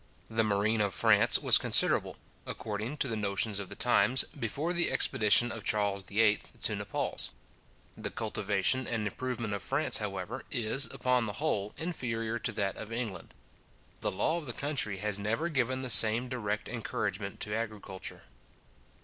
The marine of France was considerable, according to the notions of the times, before the expedition of Charles VIII. to Naples. The cultivation and improvement of France, however, is, upon the whole, inferior to that of England. The law of the country has never given the same direct encouragement to agriculture.